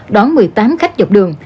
đón một mươi tám khách dọc đường